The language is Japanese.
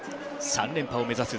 ３連覇を目指す